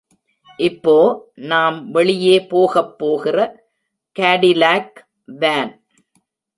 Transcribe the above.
இப்போ, நாம் வெளியே போகப் போகிற காடிலாக் வான்.